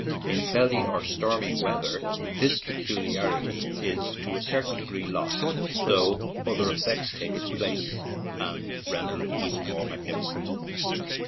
In cloudy or stormy weather this peculiarity is to a certain degree lost, though other effects take its place and render it even more magnificent.